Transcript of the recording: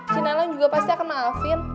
cinilang juga pasti akan maafin